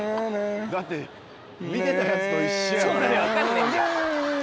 だって見てたやつと一緒やんな。